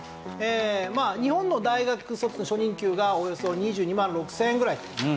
まあ日本の大学卒の初任給がおよそ２２万６０００円ぐらいと。